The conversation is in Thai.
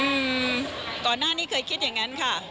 อืมก่อนหน้านี้เคยคิดอย่างงั้นค่ะ